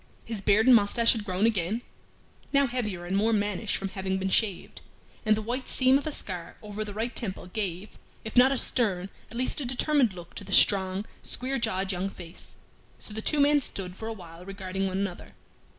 His beard and mustache had grown again, (now heavier and more mannish from having been shaved), and the white seam of a scar over the right temple gave, if not a stern, at least a determined look to the strong, square jawed young face. So the two stood for a while regarding one another.